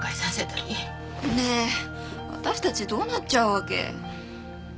ねえ私たちどうなっちゃうわけ？